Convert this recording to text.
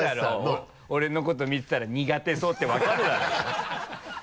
分かるだろう俺のこと見てたら苦手そうって分かるだろう